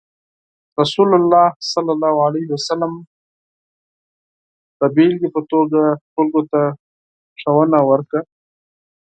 رسول الله صلى الله عليه وسلم د بیلګې په توګه خلکو ته ښوونه ورکوله.